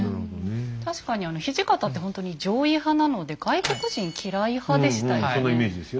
確かに土方ってほんとに攘夷派なので外国人嫌い派でしたよね。